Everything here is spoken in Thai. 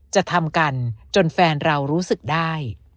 จะทำกันจนแฟนเรารู้สึกได้